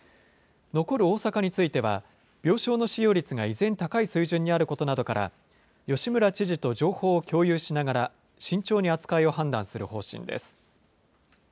残る大阪については、病床の使用率が依然、高い水準にあることなどから、吉村知事と情報を共有しながら、慎重に扱いを判断する方針です。